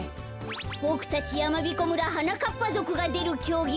ボクたちやまびこ村はなかっぱぞくがでるきょうぎは。